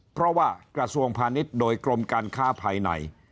เพราะว่ากระทรวงพาณิชย์โดยกรมการค้าภายใน